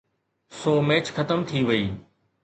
سو match ختم ٿي وئي.